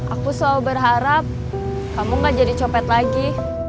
aku selalu berharap kamu gak jadi copet lagi